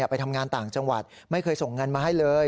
ไปทำงานต่างจังหวัดไม่เคยส่งเงินมาให้เลย